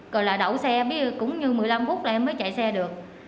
rồi là đậu xe bây giờ cũng như một mươi năm phút là em mới chạy xe được